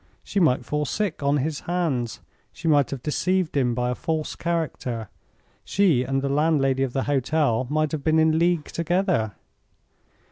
She might fall sick on his hands; she might have deceived him by a false character; she and the landlady of the hotel might have been in league together.